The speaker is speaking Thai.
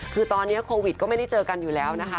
คือตอนนี้โควิดก็ไม่ได้เจอกันอยู่แล้วนะคะ